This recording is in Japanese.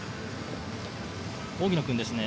荻野君ですね。